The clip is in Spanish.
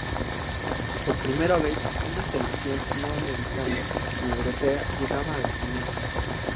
Por primera vez una selección no americana ni europea llegaba a la final.